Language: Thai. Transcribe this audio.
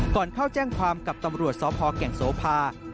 ก่อนเข้าแจ้งความกับตำรวจสพแก่งโสภา